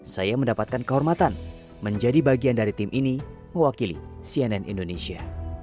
saya mendapatkan kehormatan menjadi bagian dari tim ini mewakili cnn indonesia